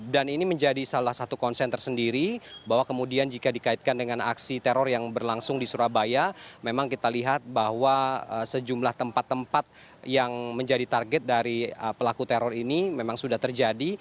ini menjadi salah satu konsen tersendiri bahwa kemudian jika dikaitkan dengan aksi teror yang berlangsung di surabaya memang kita lihat bahwa sejumlah tempat tempat yang menjadi target dari pelaku teror ini memang sudah terjadi